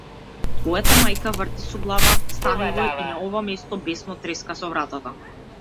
Твојата мајка врти со глава станува и на ова место бесно треска со вратата.